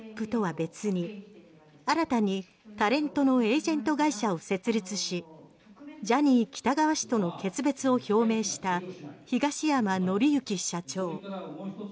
別に新たにタレントのエージェント会社を設立しジャニー喜多川氏との決別を表明した東山紀之社長。